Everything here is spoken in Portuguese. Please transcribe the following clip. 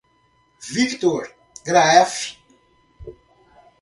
Victor Graeff